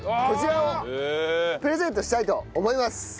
こちらをプレゼントしたいと思います。